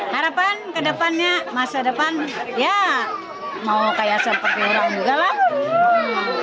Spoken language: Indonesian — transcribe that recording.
harapan ke depannya masa depan ya mau kayak sempat diorang juga lah